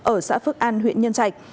ở xã phước an huyện nhân trạch